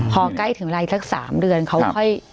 พอใกล้ถึงเวลาอีกสัก๓เดือนเขาค่อย